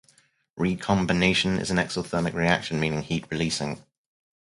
Recombination is an exothermic reaction, meaning heat releasing.